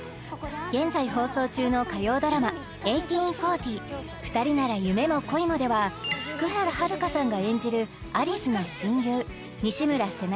現在放送中の火曜ドラマ「１８／４０ふたりなら夢も恋も」では福原遥さんが演じる有栖の親友西村世奈